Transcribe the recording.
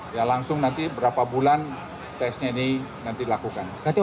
ya langsung nanti berapa bulan tesnya ini nanti dilakukan